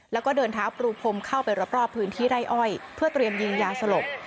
แล้วก็เดินเท้าปรูพรมเข้าไปรอบพื้นที่ไร่อ้อยเพื่อเตรียมยิงยาสลบ